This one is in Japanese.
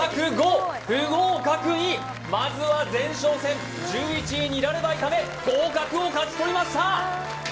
まずは前哨戦１１位ニラレバ炒め合格を勝ち取りました！